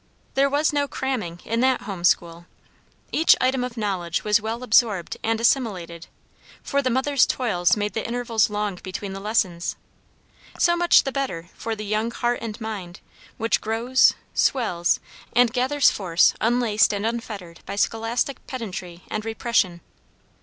There was no "cramming" in that home school; each item of knowledge was well absorbed and assimilated, for the mother's toils made the intervals long between the lessons. So much the better for the young heart and mind, which grows, swells, and gathers force unlaced and unfettered by scholastic pedantry and repression.